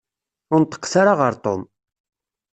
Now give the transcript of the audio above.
Ur neṭṭqet ara ɣer Tom.